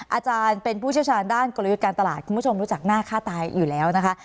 อาจารย์เป็นผู้เชี่ยวชาญด้านกลยุทธ์การตลาดคุณผู้ชมรู้จักหน้าฆ่าตายอยู่แล้วนะคะ